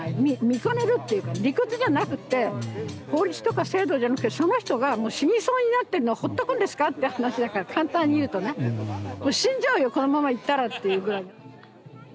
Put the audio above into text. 見かねるっていうかね理屈じゃなくて法律とか制度じゃなくてその人がもう死にそうになってるのをほっとくんですかって話だから簡単に言うとね死んじゃうよこのままいったらっていうぐらいに。